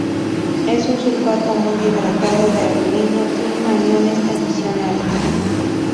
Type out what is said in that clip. Es un sulfato muy hidratado de aluminio, sin aniones adicionales.